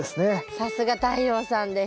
さすが太陽さんです。